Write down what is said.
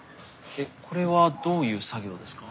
これはどういう作業ですか？